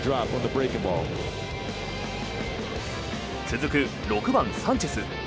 続く６番、サンチェス。